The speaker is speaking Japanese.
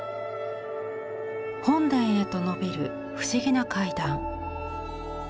本殿へとのびる不思議な階段。